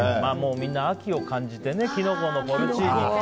みんな秋を感じてキノコのポルチーニ。